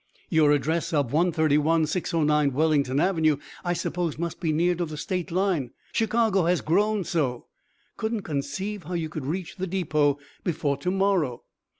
Your address of 131609 Wellington avenue, I supposed must be near to the State line; Chicago has grown so. Couldn't conceive how you could reach the depot before to morrow."